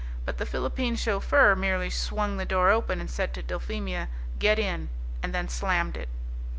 But the Philippine chauffeur merely swung the door open and said to Dulphemia, "Get in," and then slammed it.